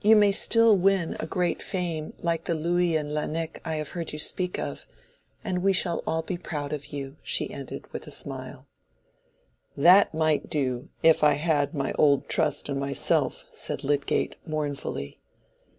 You may still win a great fame like the Louis and Laennec I have heard you speak of, and we shall all be proud of you," she ended, with a smile. "That might do if I had my old trust in myself," said Lydgate, mournfully.